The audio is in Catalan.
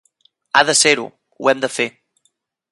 Ha de ser-ho; ho hem de fer.